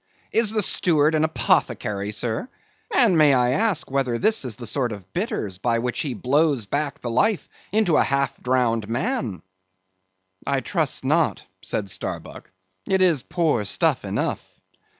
Is the steward an apothecary, sir? and may I ask whether this is the sort of bitters by which he blows back the life into a half drowned man?" "I trust not," said Starbuck, "it is poor stuff enough."